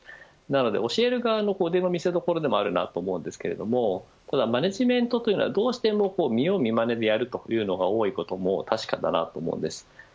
なので教える側の腕の見せどころでもあると思いますけどもただマネジメントというのはどうしても見よう見まねでやることが多いのも確かです。